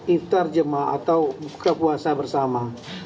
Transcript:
iftar jemaah atau buka puasa bersama